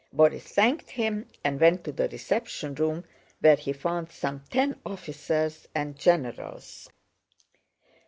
Borís thanked him and went to the reception room, where he found some ten officers and generals.